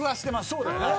そうだよね。